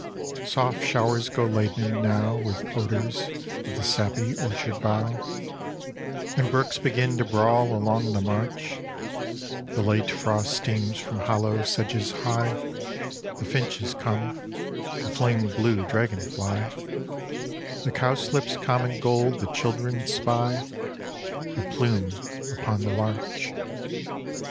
Soft showers go laden now With odors of the sappy orchard bough, And brooks begin to brawl along the march; The late frost steams from hollow sedges high; The finch is come, the flame blue dragon fly, The cowslip's common gold that children spy, The plume upon the larch.